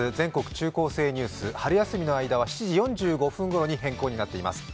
中高生ニュース」、春休みの間は７時４５分ごろに変更になっています。